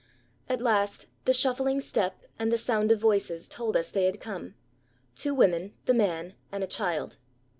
At last the shuffling step and the sound of voices told us they had come two women, the man, and a child.